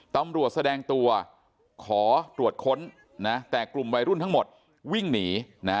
ตำรวจแสดงตัวขอตรวจค้นแต่กลุ่มวัยรุ่นทั้งหมดวิ่งหนี